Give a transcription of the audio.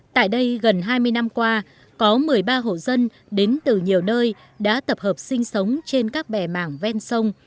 tại đây gần hai mươi năm qua có một mươi ba hộ dân đến từ nhiều nơi đã tập hợp sinh sống trên các bè mảng ven sông